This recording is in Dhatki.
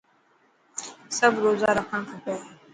سب روزا رکڻ کپي.